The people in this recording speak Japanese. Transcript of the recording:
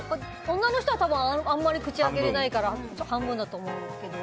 女の人はあんまり口開けられないから半分だと思うけど。